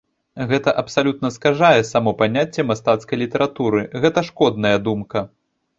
Гэта абсалютна скажае само паняцце мастацкай літаратуры, гэта шкодная думка.